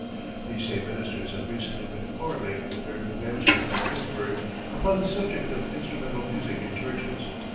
These same ministers have recently been quarreling in their convention at Pittsburgh upon the subject of instrumental music in churches.